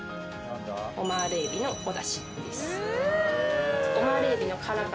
オマールエビのおだしです。